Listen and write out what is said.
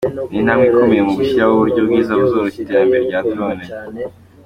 Ni intambwe ikomeye mu gushyiraho uburyo bwiza buzoroshya iterambere rya drones.